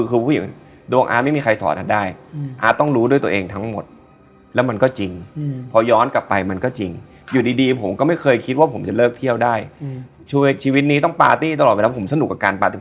ของใครก็ไม่รู้เออคนขายก็ไม่มีเออแล้วตรงนั้นน่ะ